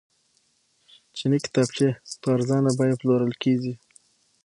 چیني کتابچې په ارزانه بیه پلورل کیږي.